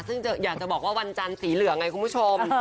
ซึ่งอยากจะบอกว่าวันจันทร์สีเหลืองไงคุณผู้ชม